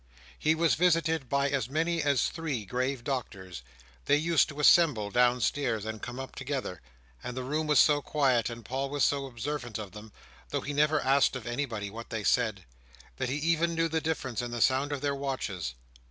He was visited by as many as three grave doctors—they used to assemble downstairs, and come up together—and the room was so quiet, and Paul was so observant of them (though he never asked of anybody what they said), that he even knew the difference in the sound of their watches.